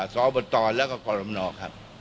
สบและกรครับ